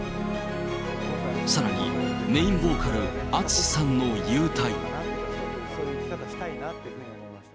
さらに、メインボーカル、ＡＴＳＵＳＨＩさんの勇退。